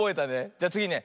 じゃつぎね。